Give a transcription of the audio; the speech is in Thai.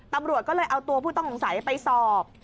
ตำรวจก็เลยเอาตัวผู้ต้องสงสัยไปสอบ